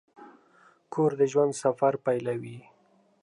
کور د ژوند سفر پیلوي.